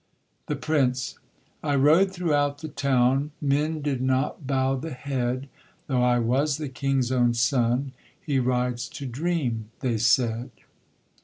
THE PRINCE. I rode throughout the town, Men did not bow the head, Though I was the king's own son: He rides to dream, they said.